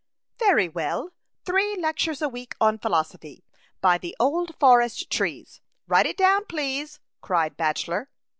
" Very well ; three lectures a week on philosophy, by the old forest trees ; write it down, please," cried Bachelor.